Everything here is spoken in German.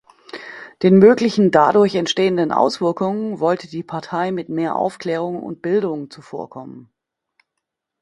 Den möglichen dadurch entstehenden Auswirkungen wollte die Partei mit mehr Aufklärung und Bildung zuvorkommen.